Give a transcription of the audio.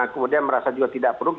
kemudian merasa juga tidak perlu